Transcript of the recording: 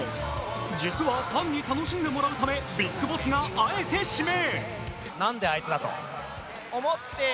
実はファンに楽しんでもらうためＢＩＧＢＯＳＳがあえて指名。